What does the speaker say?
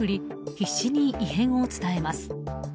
必死に異変を伝えます。